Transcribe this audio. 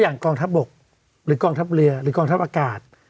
กองทัพบกหรือกองทัพเรือหรือกองทัพอากาศ